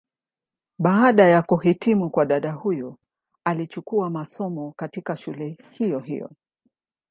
Baada ya kuhitimu kwa dada huyu alichukua masomo, katika shule hiyo hiyo.